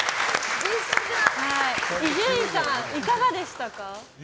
伊集院さん、いかがでしたか？